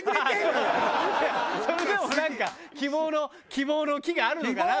それでもなんか希望の希望の木があるのかなと。